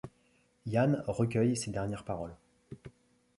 Yann recueille ses dernières paroles.